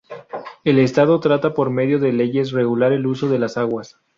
El estado trata por medio de leyes regular el uso de las aguas.